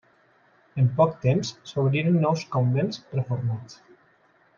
En poc temps, s'obriren nous convents reformats.